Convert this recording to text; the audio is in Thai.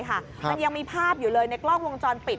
มันยังมีภาพอยู่เลยในกล้องวงจรปิด